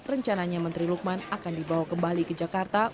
rencananya menteri lukman akan dibawa kembali ke jakarta